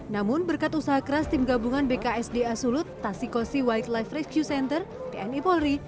namun berkat usaha keras tim gabungan bksda sulut tasikosi wildlife rescue center pni polri